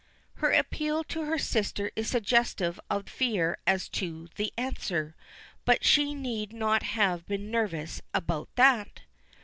Her appeal to her sister is suggestive of fear as to the answer, but she need not have been nervous about that.